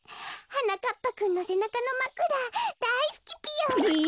はなかっぱくんのせなかのまくらだいすきぴよ。え！